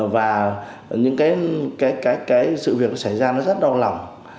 và những cái sự việc nó xảy ra nó rất đau lòng